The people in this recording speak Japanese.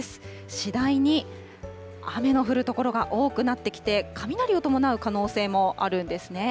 次第に雨の降る所が多くなってきて、雷を伴う可能性もあるんですね。